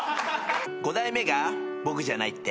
５代目が僕じゃないって？